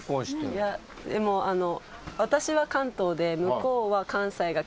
いやでもあの。